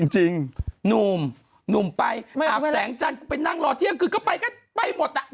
หนุ่มหนุ่มไปอาบแสงจันทร์กูไปนั่งรอเที่ยงคืนก็ไปก็ไปหมดอ่ะ